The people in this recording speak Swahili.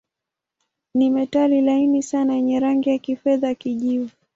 Ni metali laini sana yenye rangi ya kifedha-kijivu.